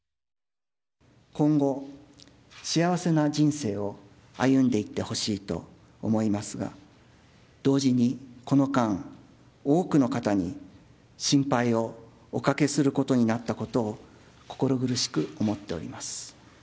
今後、幸せな人生を歩んでいってほしいと思いますが、同時に、この間、多くの方に心配をおかけすることになったことを心苦しく思っております。